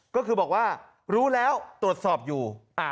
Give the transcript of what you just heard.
ก็คือบอกว่ารู้แล้วตรวจสอบอยู่